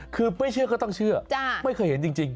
คือไม่เชื่อก็ต้องเชื่อไม่เคยเห็นจริง